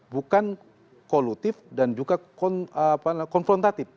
bukan kolutif dan juga konfrontatif